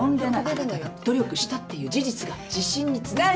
あなたが努力したっていう事実が自信につながるのよ。